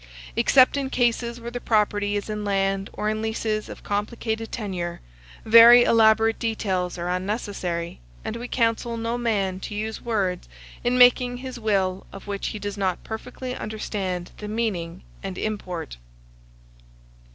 Except in cases where the property is in land or in leases of complicated tenure, very elaborate details are unnecessary; and we counsel no man to use words in making his will of which he does not perfectly understand the meaning and import.